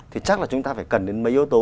thì chắc là chúng ta phải cần đến mấy yếu tố